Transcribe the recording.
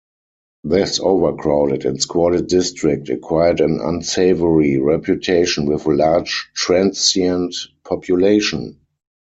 This overcrowded and squalid district acquired an unsavoury reputation with a large transient population.